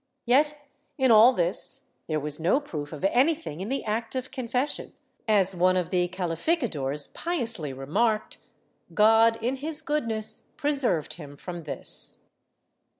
Yet in all this there was no proof of an}i:hing in the act of confession — as one of the calificadores piously remarked, ''God, in his goodness, preserved him from this."